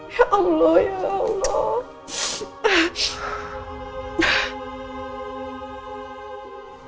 ya allah ya allah